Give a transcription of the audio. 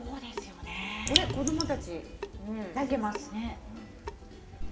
これ子どもたちいけます。